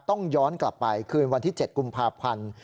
ต้องย้อนกลับไปคืนวันที่๗กุมภาพันธ์